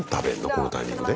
このタイミングで？